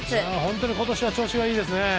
本当に今年は調子がいいですね。